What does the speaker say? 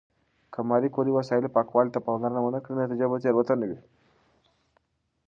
که ماري کوري د وسایلو پاکوالي ته پاملرنه ونه کړي، نتیجه به تېروتنه وي.